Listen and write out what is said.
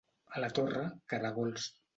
A la Torre, caragols.